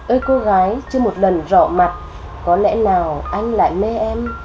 ơi cô gái chưa một lần rọ mặt có lẽ nào anh lại mê em